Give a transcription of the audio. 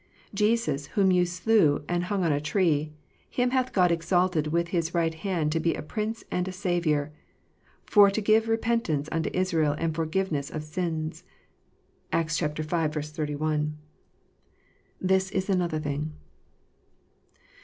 "Jesus whom ye slew and hanged on a tree, Him hath God exalted with His right hand to be a Prince and a Saviour, for to give repentance unto Israel, and forgiveness of sins." (Acts v. 31.) This is another thing.